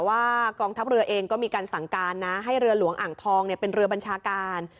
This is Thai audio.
ว่ากองทัพเรือเองก็มีการสั่งการนะให้เรือหลวงอ่างทองเป็นเรือบัญชาการ